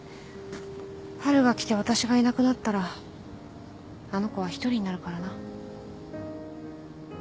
春が来て私がいなくなったらあの子は一人になるからな。